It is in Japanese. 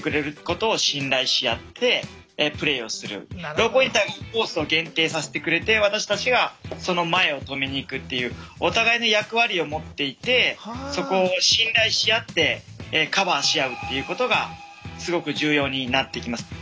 ローポインターを限定させてくれて私たちがその前を止めにいくっていうお互いに役割を持っていてそこを信頼し合ってカバーし合うっていうことがすごく重要になってきます。